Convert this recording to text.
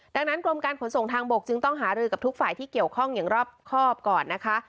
ดังนั้นกรมการขนส่งทางบกจึงต้องหารือกับทุกฝ่ายที่เกี่ยวข้องอย่างรอบครอบก่อนนะคะ